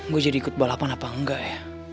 gue jadi ikut balapan apa enggak ya